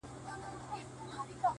o پښتنو انجونو کي حوري پيدا کيږي.